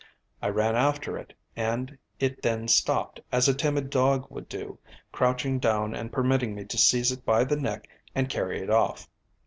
I ran after it and it then stopped as a timid dog would do, crouching down and permitting me to seize it by the neck and carry it off."